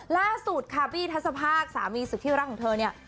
ล่าสุดค่ะบี้ทัศภาคสามีสุดที่รักของเธอเนี่ย